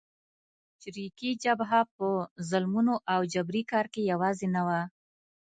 چریکي جبهه په ظلمونو او جبري کار کې یوازې نه وه.